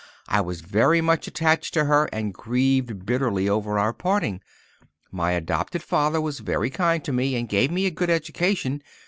I was very much attached to her and grieved bitterly over our parting. My adopted father was very kind to me and gave me a good education.